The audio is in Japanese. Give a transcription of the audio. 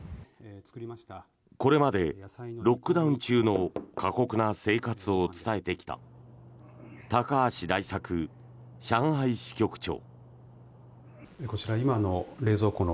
これまでロックダウン中の過酷な生活を伝えてきた高橋大作上海支局長。